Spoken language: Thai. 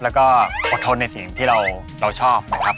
แล้วก็อดทนในสิ่งที่เราชอบนะครับ